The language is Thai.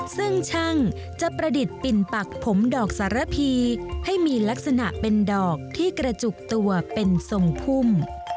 ซึ่งช่างจะประดิษฐ์ปิ่นปักผมดอกสารพีให้มีลักษณะเป็นดอกที่กระจุกตัวเป็นทรงพุ่ม